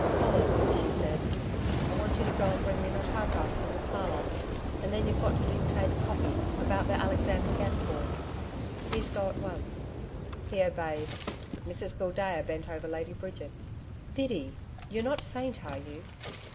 'Colin,' she said, 'I want you to go and bring me my typewriter from the parlour. And then you've got to dictate "copy," about the Alexandra City Gas Bore. Please go at once.' He obeyed. Mrs Gildea bent over Lady Bridget. 'Biddy! ... You're not faint, are you?'